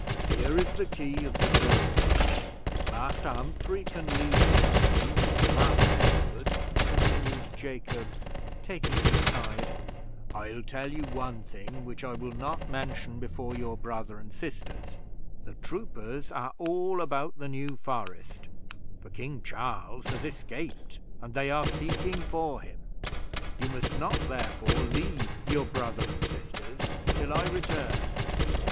Here is the key of the door; Master Humphrey can lead the pony; and Master Edward," continued Jacob, taking him aside, "I'll tell you one thing which I will not mention before your brother and sisters: the troopers are all about the New Forest, for King Charles has escaped, and they are seeking for him. You must not, therefore, leave your brother and sisters till I return.